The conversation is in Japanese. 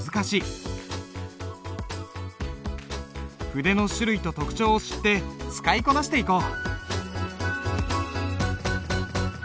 筆の種類と特徴を知って使いこなしていこう。